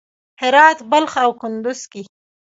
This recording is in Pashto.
هرات، بلخ او کندز کې